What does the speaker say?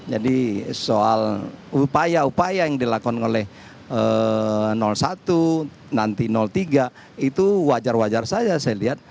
jadi soal upaya upaya yang dilakukan oleh satu nanti tiga itu wajar wajar saja saya lihat